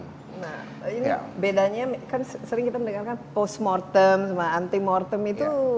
nah ini bedanya kan sering kita mendengarkan post mortem sama anti mortem itu